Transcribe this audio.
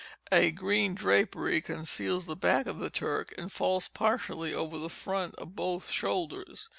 A green drapery conceals the back of the Turk, and falls partially over the front of both shoulders.